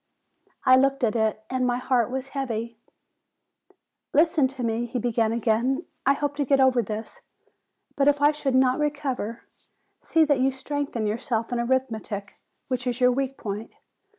I looked at it, and my heart was heavy. "Listen to me," he began again. "I hope to get over this; but if I should not recover, see that you strengthen yourself in arithmetic, which is your weak point.